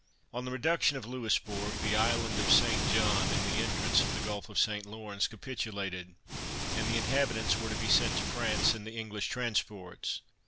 On the reduction of Louisbourg, the island of St. John, in the entrance of the Gulf of St. Lawrence, capitulated, and the inhabitants were to be sent to France in the English transports.